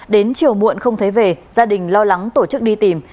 đến chiều muộn không thấy về gia đình lo lắng tổ chức đi tìm